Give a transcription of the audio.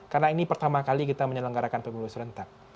karena ini pertama kali kita menyelenggarakan pemilihan serentak